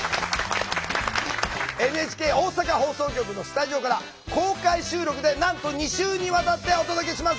ＮＨＫ大阪放送局のスタジオから公開収録でなんと２週にわたってお届けします。